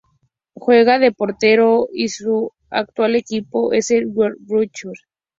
Juega de portero y su actual equipo es el Eintracht Braunschweig.